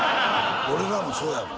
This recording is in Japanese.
俺らもそうやもん。